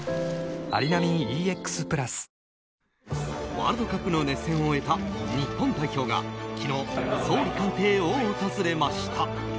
ワールドカップの熱戦を終えた日本代表が昨日、総理官邸を訪れました。